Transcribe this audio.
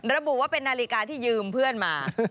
ระบุว่าเป็นนาฬิกาที่ยืมเพื่อนมา